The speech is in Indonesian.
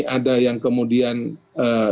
ada yang kemudian pikirkan